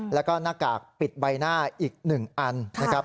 แล้วก็หน้ากากปิดใบหน้าอีก๑อันนะครับ